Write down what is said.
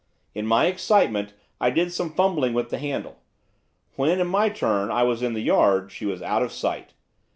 In my excitement, I did some fumbling with the handle. When, in my turn, I was in the yard, she was out of sight.